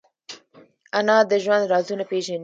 انا د ژوند رازونه پېژني